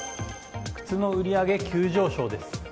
靴の売り上げ急上昇です。